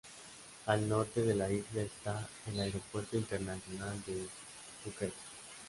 Al norte de la isla está el Aeropuerto Internacional de Phuket.